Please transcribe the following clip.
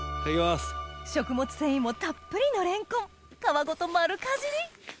食物繊維もたっぷりのレンコン皮ごと丸かじり！